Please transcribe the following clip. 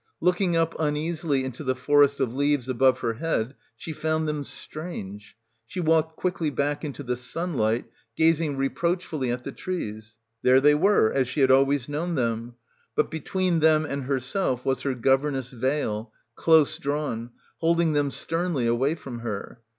Looking up un easily into the forest of leaves above her head she found them strange. She walked quickly back into the sunlight, gazing reproachfully at the trees. There they were as she had always known them; but between them and herself was her governess' veil, close drawn, holding them sternly away from her.